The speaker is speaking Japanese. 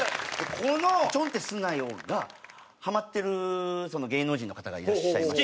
この「ちょんってすなよ」がハマってる芸能人の方がいらっしゃいまして。